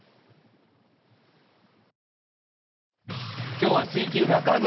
今日は「ツイＱ楽ワザ」。